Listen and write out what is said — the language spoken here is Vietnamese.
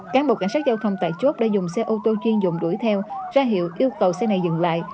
cán bộ cảnh sát giao thông tại chốt đã dùng xe ô tô chuyên dùng đuổi theo ra hiệu yêu cầu xe này dừng lại